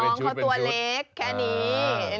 น้องเขาตัวเล็กแค่นี้